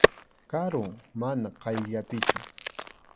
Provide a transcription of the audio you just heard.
Karum, mana qayllapichu.